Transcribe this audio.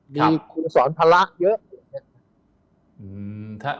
มีครูสอนภารักษ์เยอะ